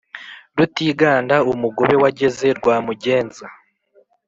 Rutiganda umugobe wageze rwa mugenza,